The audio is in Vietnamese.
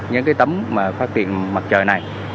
những cái tấm mà phát điện mặt trời này